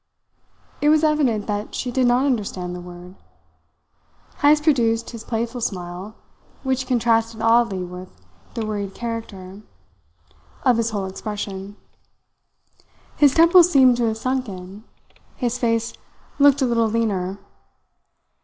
It was evident that she did not understand the word. Heyst produced his playful smile, which contrasted oddly with the worried character of his whole expression. His temples seemed to have sunk in, his face looked a little leaner.